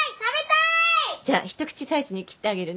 じゃあ一口サイズに切ってあげるね。